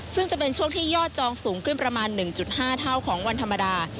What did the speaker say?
ซึ่งจะเป็นช่วงที่ยอดจองสูงขึ้นประมาณ๑๕เท่าของวันธรรมดา